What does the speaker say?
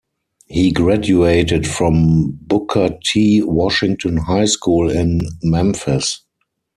He graduated from Booker T. Washington High School in Memphis.